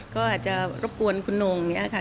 ก็อาจจะรบกวนคุณหน่งอย่างนี้ค่ะ